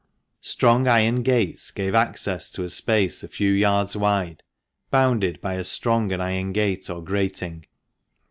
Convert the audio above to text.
Strong iron gates gave access to a space a few yards wide, bounded by as strong an iron gate or grating.